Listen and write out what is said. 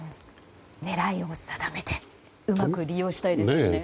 狙いを定めてうまく利用したいですね。